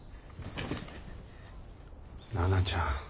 奈々ちゃん。